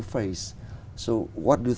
bác sĩ đã nói về